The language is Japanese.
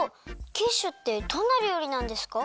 キッシュってどんなりょうりなんですか？